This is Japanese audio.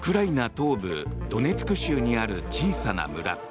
東部ドネツク州にある小さな村。